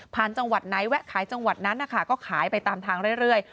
จังหวัดไหนแวะขายจังหวัดนั้นนะคะก็ขายไปตามทางเรื่อย